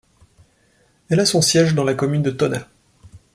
Elle a son siège dans la commune de Tonna.